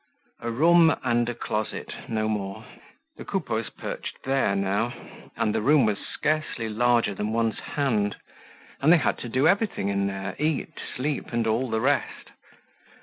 A room and a closet, no more. The Coupeaus perched there now. And the room was scarcely larger than one's hand. And they had to do everything in there—eat, sleep, and all the rest.